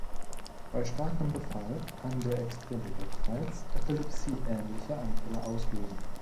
Bei starkem Befall kann der extreme Juckreiz Epilepsie-ähnliche Anfälle auslösen.